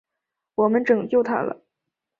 我们拯救他了！